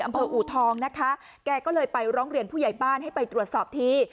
อูทองนะคะแกก็เลยไปร้องเรียนผู้ใหญ่บ้านให้ไปตรวจสอบที